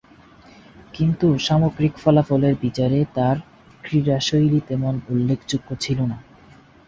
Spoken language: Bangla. কিন্তু সামগ্রিক ফলাফলের বিচারে তার ক্রীড়াশৈলী তেমন উল্লেখযোগ্য ছিল না।